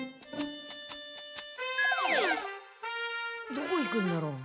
どこ行くんだろう。